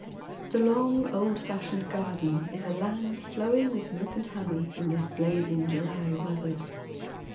The long old fashioned garden is a land flowing vrith milk and honey in this blazing July weather.